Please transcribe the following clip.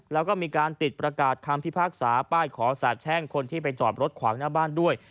แล้วก็มีการติดประกาศคำพิพากษาป้ายขอสาบแช่งคนที่ไปจอดรถขวางหน้าบ้านด้วย